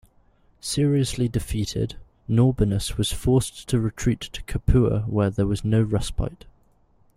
Seriously defeated, Norbanus was forced to retreat to Capua where there was no respite.